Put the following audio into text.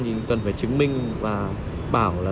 thì cần phải chứng minh và bảo là